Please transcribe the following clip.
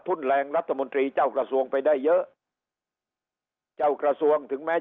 ทุนแรงรัฐมนตรีเจ้ากระทรวงไปได้เยอะเจ้ากระทรวงถึงแม้